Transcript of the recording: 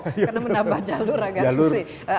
karena menambah jalur agak susah